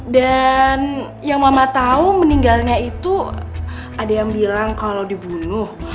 dan yang mama tau meninggalnya itu ada yang bilang kalo dibunuh